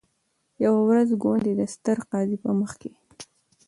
یوه ورځ ګوندي د ستر قاضي په مخ کي